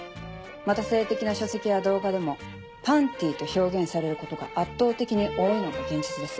また性的な書籍や動画でも「パンティ」と表現されることが圧倒的に多いのが現実です。